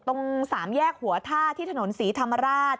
ตรงสามแยกหัวท่าที่ถนนศรีธรรมราช